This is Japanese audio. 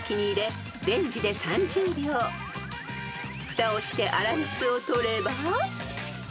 ［ふたをして粗熱を取れば］